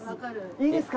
いいですか？